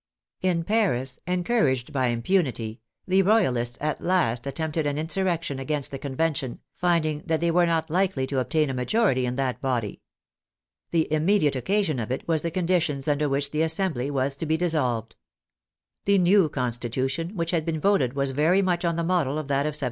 In Paris, encouraged by impunity, the Royalists at last attempted an insurrection against the Convention, find ing that they were not likely to obtain a majority in that body. The immediate occasion of it was the conditions under which the Assembly was to be dissolved. The new Constitution which had been voted was very much on the model of that of 1791.